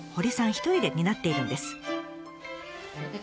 一人で担っているんです。